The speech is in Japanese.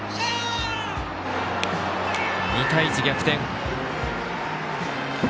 ２対１と逆転。